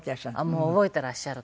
もう覚えてらっしゃるから。